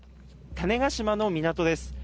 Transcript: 種子島の港です。